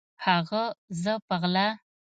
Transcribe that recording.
هغه زه په غلا